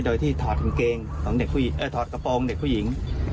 โดยที่ถอดกางเกงของเด็กผู้หญิงเอ่อถอดกระโปรงเด็กผู้หญิง